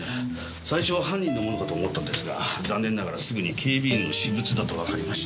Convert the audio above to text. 最初は犯人のものかと思ったんですが残念ながらすぐに警備員の私物だとわかりまして。